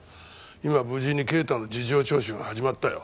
今無事に啓太の事情聴取が始まったよ。